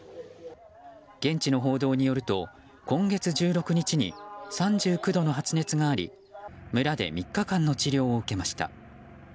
現地の報道によると今月１６日に３９度の発熱があり村で３日間の治療を受けました。